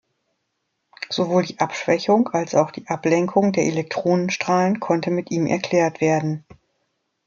Sowohl die Abschwächung als auch die Ablenkung der Elektronenstrahlen konnte mit ihm erklärt werden.